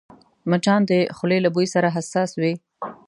مچان د خولې له بوی سره حساس وي